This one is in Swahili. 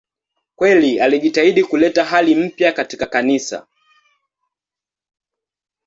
Kweli alijitahidi kuleta hali mpya katika Kanisa.